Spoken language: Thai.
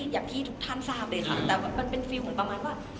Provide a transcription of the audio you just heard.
อย่างที่ทุกท่านทราบเลยค่ะแต่มันเป็นฟิลเหมือนประมาณว่า